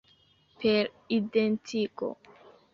Per identigo.